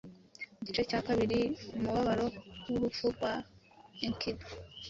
Mu gice cya kabiri umubabaro wurupfu rwa Enkidu